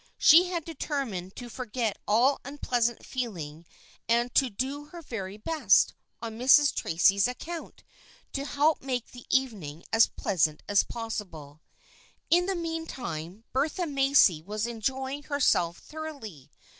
She had determined to forget all unpleasant feeling and to do her very best, on Mrs. Tracy's account, to help make the evening as pleasant as possible. In the meantime Bertha Macy was enjoying herself thoroughly.